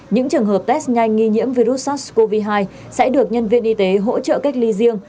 những trường hợp test nhanh nghi nhiễm virus sars cov hai sẽ được nhân viên y tế hỗ trợ cách ly riêng